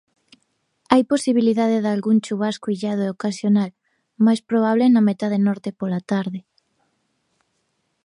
Hai posibilidade dalgún chuvasco illado e ocasional, máis probable na metade norte pola tarde.